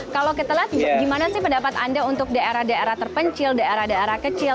kalau kita lihat gimana sih pendapat anda untuk daerah daerah terpencil daerah daerah kecil